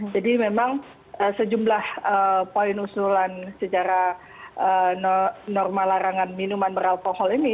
jadi memang sejumlah poin usulan secara normal larangan minuman beralkohol ini